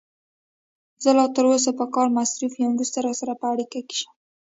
زه لا تر اوسه په کار مصروف یم، وروسته راسره په اړیکه کې شه.